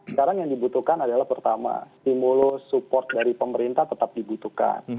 sekarang yang dibutuhkan adalah pertama stimulus support dari pemerintah tetap dibutuhkan